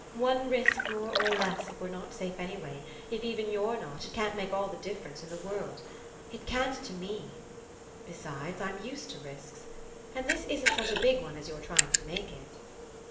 One risk more or less, if we're not safe anyway, if even you're not, it can't make all the difference in the world. It can't to me. Besides, I'm used to risks. And this isn't such a big one as you're trying to make it."